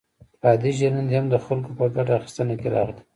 بادي ژرندې هم د خلکو په ګټه اخیستنه کې راغلې.